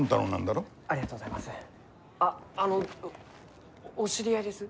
あっあのお知り合いです？